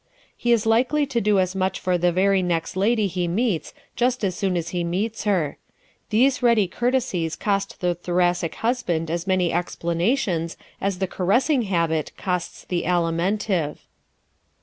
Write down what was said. He is likely to do as much for the very next lady he meets just as soon as he meets her. These ready courtesies cost the Thoracic husband as many explanations as the caressing habit costs the Alimentive.